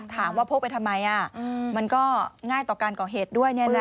ถามว่าพกไปทำไมอ่ะอืมมันก็ง่ายต่อการก่อเหตุด้วยเนี่ยนะ